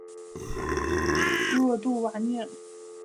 若杜瓦涅。